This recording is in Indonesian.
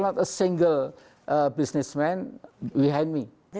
tidak ada satu bisnismen di belakang saya